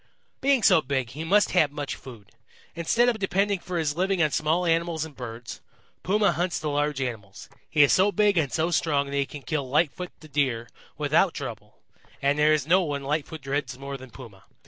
"Being so big, he must have much food. Instead of depending for his living on small animals and birds, Puma hunts the large animals. He is so big and so strong that he can kill Lightfoot the Deer without trouble, and there is no one Lightfoot dreads more than Puma.